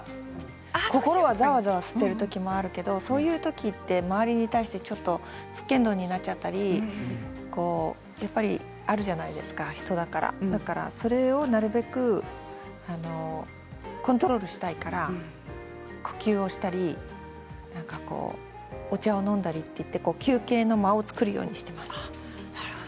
心がざわざわしてる時もあるけどそういう時って周りに対してちょっとつっけんどんになっちゃったりあるじゃないですか、人だからそれをなるべくコントロールしたいから呼吸をしたりお茶を飲んだりといって休憩の間を作るようにしています。